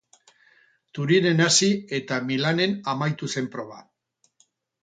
Turinen hasi eta Milanen amaitu zen proba.